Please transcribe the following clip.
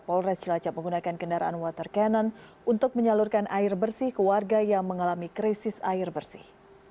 polres cilacap menggunakan kendaraan water cannon untuk menyalurkan air bersih ke warga yang mengalami krisis air bersih